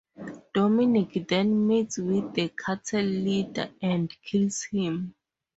Dominic then meets with the cartel leader and kills him.